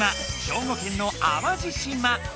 兵庫県の淡路島。